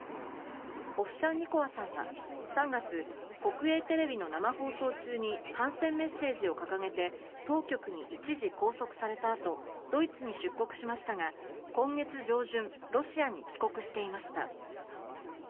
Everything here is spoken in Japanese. オフシャンニコワさんは、３月国営テレビの生放送中に反戦メッセージを掲げて当局に一時拘束されたあとドイツに出国しましたが今月上旬ロシアに帰国していました。